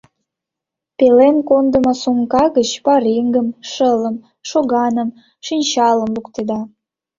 Пелен кондымо сумка гыч пареҥгым, шылым, шоганым, шинчалым луктеда.